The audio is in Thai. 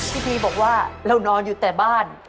พี่พีบอกว่าเรานอนอยู่แต่บ้าน